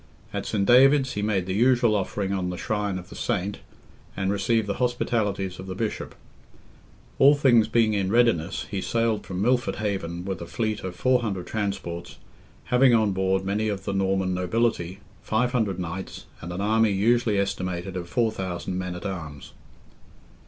At Saint David's he made the usual offering on the shrine of the Saint and received the hospitalities of the Bishop. All things being in readiness, he sailed from Milford Haven, with a fleet of 400 transports, having on board many of the Norman nobility, 500 knights, and an army usually estimated at 4,000 men at arms.